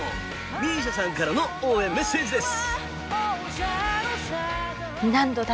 ＭＩＳＩＡ さんからの応援メッセージです。